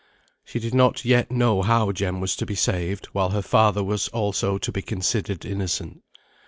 She did not yet know how Jem was to be saved, while her father was also to be considered innocent.